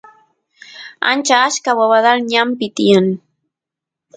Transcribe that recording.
ancha achka bobadal ñanpi tiyan